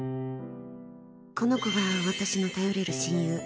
この子が私の頼れる親友。